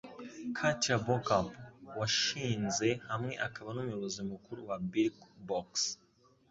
Katia Beauchamp, washinze hamwe akaba n'umuyobozi mukuru wa Birchbox